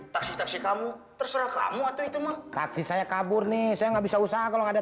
taksi taksi kamu terserah kamu atau itu mah taksi saya kabur nih saya nggak bisa usaha kalau nggak ada